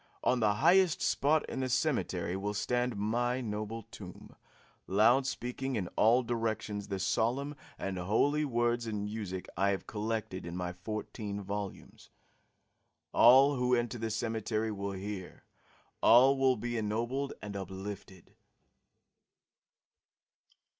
On the highest spot in the cemetery will stand my noble tomb, loud speaking in all directions the solemn and holy words and music I have collected in my fourteen volumes. All who enter the cemetery will hear; all will be ennobled and uplifted."